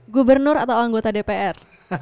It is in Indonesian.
gubernur atau anggota dpr